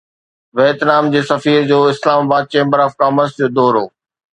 Vietnam جي سفير جو Islamabad chamber of commerce جو دورو